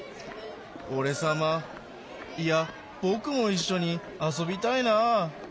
おれさまいやぼくもいっしょにあそびたいなあ。